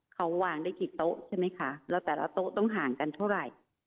เขาวางได้กี่โต๊ะใช่ไหมคะแล้วแต่ละโต๊ะต้องห่างกันเท่าไหร่